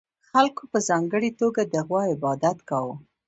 خلکو په ځانګړې توګه د غوا عبادت کاوه